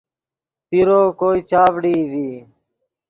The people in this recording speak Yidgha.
پیرو کوئے چاڤڑئی ڤی